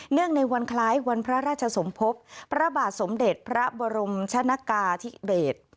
ในวันคล้ายวันพระราชสมภพพระบาทสมเด็จพระบรมชนกาธิเดช